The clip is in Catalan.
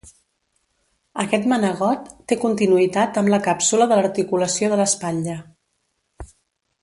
Aquest manegot té continuïtat amb la càpsula de l'articulació de l'espatlla.